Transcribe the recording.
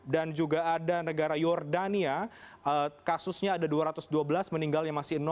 juga ada negara jordania kasusnya ada dua ratus dua belas meninggalnya masih